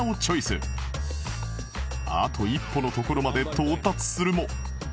あと一歩のところまで到達するも